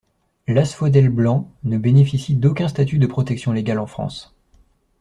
L'asphodèle blanc ne bénéficie d'aucun statut de protection légale en France.